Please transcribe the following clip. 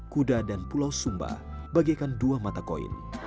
kuda dan pulau sumba bagaikan dua mata koin